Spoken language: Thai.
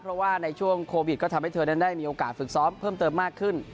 เพราะว่าในช่วงโควิดก็ทำให้เธอนั้นได้มีโอกาสฝึกซ้อมเพิ่มเติมมากขึ้น